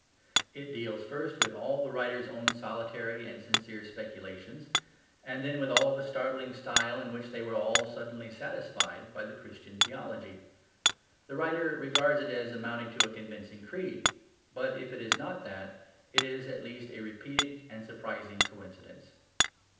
It deals first with all the writer's own solitary and sincere speculations and then with all the startling style in which they were all suddenly satisfied by the Christian Theology. The writer regards it as amounting to a convincing creed. But if it is not that it is at least a repeated and surprising coincidence.